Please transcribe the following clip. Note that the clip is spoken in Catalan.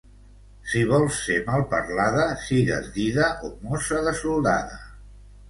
Si vols ser malparlada, sigues dida o mossa de soldada.